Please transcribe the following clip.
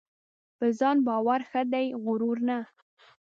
په ځان باور ښه دی ؛غرور نه .